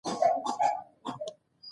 لاسي غاړه او پټو د کندهار ځوانان اغوندي.